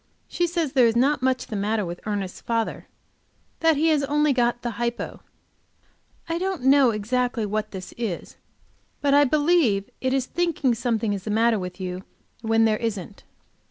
She says there is not much the matter with Ernest's father, that he has only got the hypo. I don't know exactly what this is, but I believe it is thinking something is the matter with you when there isn't.